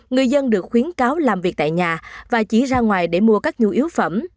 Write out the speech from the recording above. người dân được khuyến cáo làm việc tại nhà và chỉ ra ngoài để mua các nhu yếu phẩm